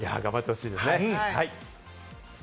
頑張ってほしいですね。